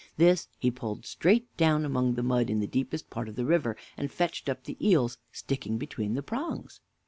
This he pulled straight down among the mud in the deepest parts of the river, and fetched up the eels sticking between the prongs.